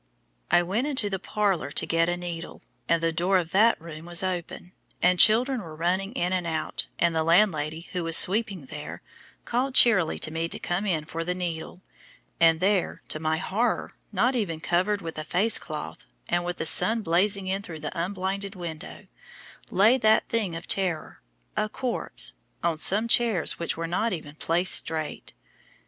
I went into the parlor to get a needle, and the door of THAT room was open, and children were running in and out, and the landlady, who was sweeping there, called cheerily to me to come in for the needle, and there, to my horror, not even covered with a face cloth, and with the sun blazing in through the unblinded window, lay that thing of terror, a corpse, on some chairs which were not even placed straight.